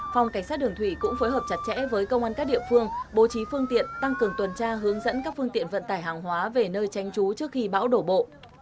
phòng cảnh sát đường thủy cũng phối hợp chặt chẽ với công an các địa phương bố trí phương tiện tăng cường tuần tra hướng dẫn các phương tiện vận tải hàng hóa về nơi tranh trú trước khi bão đổ bộ